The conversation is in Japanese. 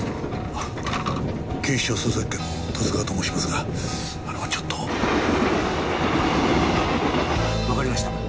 警視庁捜査一課の十津川と申しますがあのちょっと。わかりました。